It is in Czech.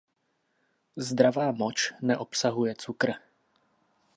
Zdravá moč neobsahuje cukr.